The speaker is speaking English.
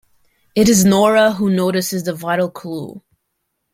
It is Nora who notices the vital clue.